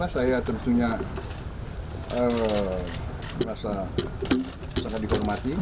ya saya tentunya rasa sangat dihormati